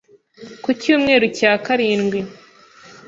ku cyumweru cya karindwi